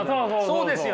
そうですよね。